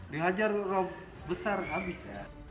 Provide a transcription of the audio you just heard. dihajar rob besar habis ya